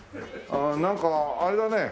なんかあれだね